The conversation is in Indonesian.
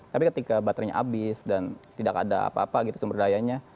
tapi ketika baterainya habis dan tidak ada apa apa gitu sumber dayanya